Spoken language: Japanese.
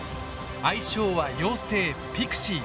愛称は妖精「ピクシー」。